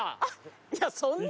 いやそんな？